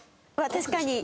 確かに。